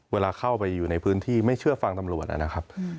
เวลาเข้าไปอยู่ในพื้นที่ไม่เชื่อฟังตำรวจนะครับ